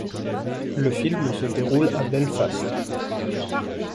Le film se déroule à Belfast.